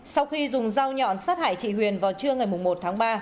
sau khi dùng dao nhọn sát hại chị huyền vào trưa ngày một tháng ba